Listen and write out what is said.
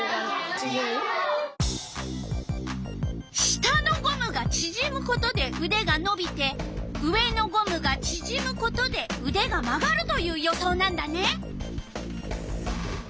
下のゴムがちぢむことでうでがのびて上のゴムがちぢむことでうでが曲がるという予想なんだね。